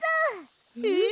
えっ？